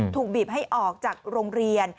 ถูกบีบให้ออกจากโรงเรียน